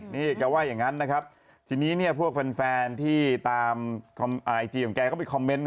นี่แกว่าอย่างนั้นนะครับทีนี้เนี่ยพวกแฟนแฟนที่ตามไอจีของแกก็ไปคอมเมนต์